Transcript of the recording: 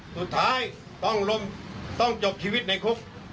สุดท้ายต้องล้มต้องจบชีวิตในคุก